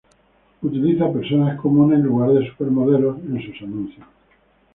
Utiliza personas comunes en lugar de supermodelos en sus anuncios.